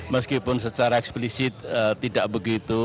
meskipun secara eksplisit tidak begitu